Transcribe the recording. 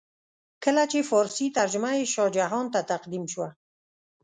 کله چې فارسي ترجمه یې شاه جهان ته تقدیم شوه.